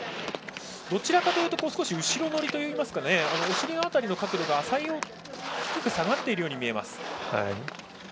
どちらかというと後ろ乗りというかお尻の辺りの角度が下がっているように見えます。